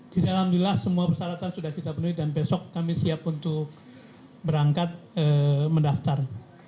di dalamnya semua persyaratan sudah kita penuhi dan besok kami siap untuk berangkat mendaftar